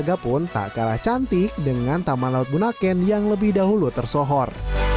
warga pun tak kalah cantik dengan taman laut bunaken yang lebih dahulu tersohor